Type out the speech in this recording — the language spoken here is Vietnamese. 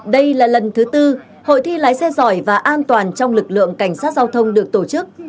đây là lần thứ tư hội thi lái xe giỏi và an toàn trong lực lượng cảnh sát giao thông được tổ chức